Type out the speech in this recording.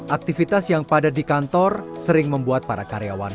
aktivitas yang padat di kantor sering membuat para karyawan